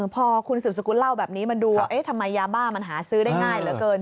พอคุณสืบสกุลเล่าแบบนี้มันดูว่าทำไมยาบ้ามันหาซื้อได้ง่ายเหลือเกิน